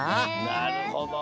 なるほど。